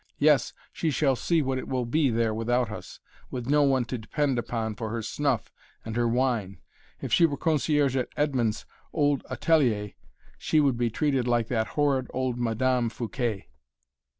Yes, she shall see what it will be there without us with no one to depend upon for her snuff and her wine. If she were concierge at Edmond's old atelier she would be treated like that horrid old Madame Fouquet."